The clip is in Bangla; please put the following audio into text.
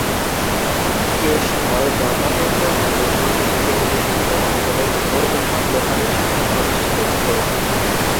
এ সময় ব্রহ্মপুত্র নদের পূর্ব তীরের বিস্তৃত অঞ্চলের উপর উসমান লোহানীর শাসন প্রতিষ্ঠিত ছিল।